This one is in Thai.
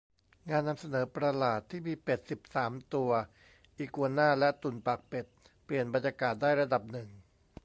งานนำเสนอประหลาดที่มีเป็ดสิบสามตัว อีกัวน่า และตุ่นปากเป็ด เปลี่ยนบรรยากาศได้ระดับหนึ่ง